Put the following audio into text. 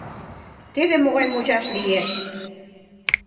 Теве могай мучаш лие: